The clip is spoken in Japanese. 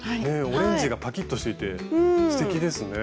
オレンジがパキッとしていてすてきですね。